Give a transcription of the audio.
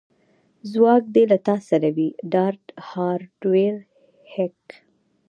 ځواک دې له تا سره وي ډارت هارډویر هیک